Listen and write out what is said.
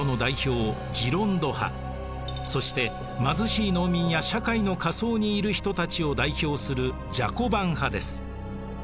そして貧しい農民や社会の下層にいる人たちを代表するジャコバン派です。